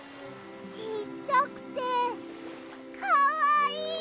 ちっちゃくてかわいい。